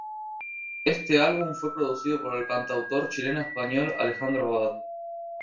Éste álbum fue producido por el cantautor chileno-español Alejandro Abad.